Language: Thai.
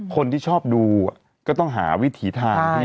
คนที่ชอบดูก็ต้องหาวิถีทาง